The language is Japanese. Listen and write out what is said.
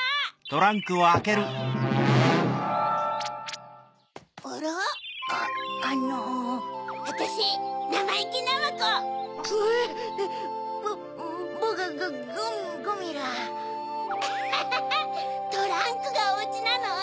トランクがおうちなの？